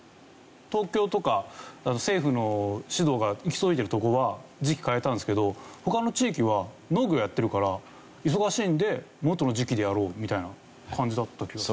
東京とか政府の指導が行き届いてる所は時期変えたんですけど他の地域は農業やってるから忙しいんで元の時期でやろうみたいな感じだった気がする。